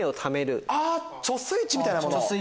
貯水池みたいなもの。